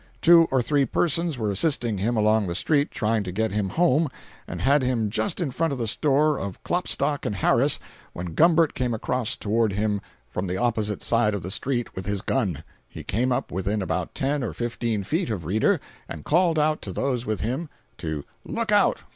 Two or three persons were assisting him along the street, trying to get him home, and had him just in front of the store of Klopstock & Harris, when Gumbert came across toward him from the opposite side of the street with his gun. He came up within about ten or fifteen feet of Reeder, and called out to those with him to "look out!